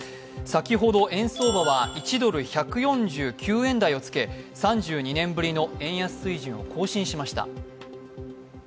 先ほど円相場は１ドル＝１４９円台をつけ３２年ぶりの円安水準を更新しました。